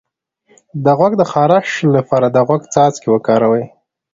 د غوږ د خارش لپاره د غوږ څاڅکي وکاروئ